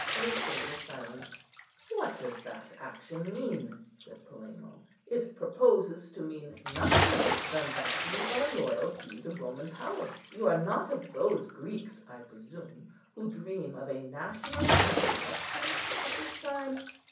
Callista was silent. "What does that action mean?" said Polemo; "it proposes to mean nothing else than that you are loyal to the Roman power. You are not of those Greeks, I presume, who dream of a national insurrection at this time?